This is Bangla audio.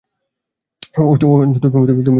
ওহ, তুমি বেশি নিষ্পাপ।